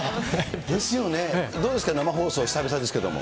ですよね、どうですか、生放送、久々ですけど。